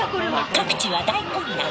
各地は大混乱。